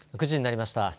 ９時になりました。